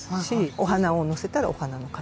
お花をのせたらお花の形。